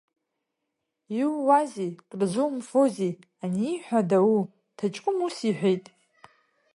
Иууазеи, кырзумфозеи аниҳәа адау, ҭаҷкәым ус иҳәеит…